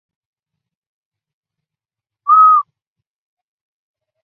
勃艮第公爵宫是法国城市第戎一组保存非常完好的建筑群。